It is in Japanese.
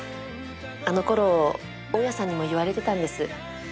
あのころ大家さんにも言われてたんです。